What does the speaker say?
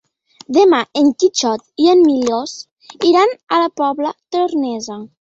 Demà en Quixot i en Milos iran a la Pobla Tornesa.